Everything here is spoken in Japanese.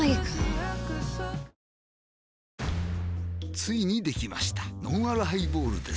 ついにできましたのんあるハイボールです